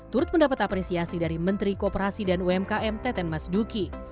turut mendapat apresiasi dari menteri kooperasi dan umkm teten mas duki